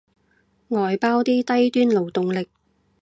外包啲低端勞動力